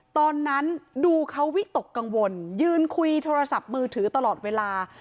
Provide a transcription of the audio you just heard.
ตอนนั้นดูเขาวิตกกังวลยืนคุยโทรศัพท์มือถือตลอดเวลา